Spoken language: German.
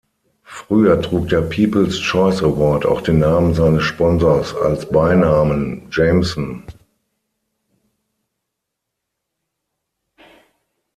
Früher trug der People's Choice Award auch den Namen seines Sponsors als Beinamen: Jameson.